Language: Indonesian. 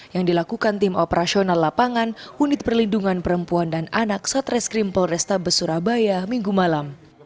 yang dilakukan tim operasional lapangan unit perlindungan perempuan dan anak satreskrim polrestabes surabaya minggu malam